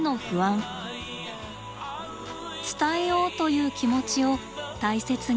「伝えよう」という気持ちを大切に！